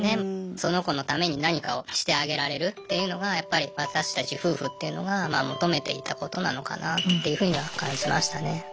その子のために何かをしてあげられるっていうのがやっぱり私たち夫婦っていうのが求めていたことなのかなっていうふうには感じましたね。